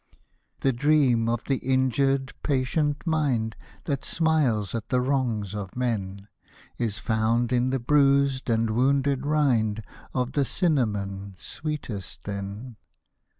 The dream of the injured, patient mind That smiles at the wrongs of men. Is found in the bruised and wounded rind Of the cinnamon, sweetest then.